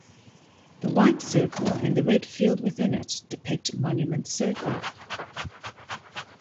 The white circle and the red field within it depict Monument Circle.